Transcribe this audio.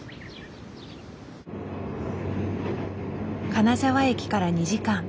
金沢駅から２時間。